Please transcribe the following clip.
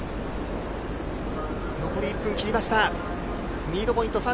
残り１分切りました。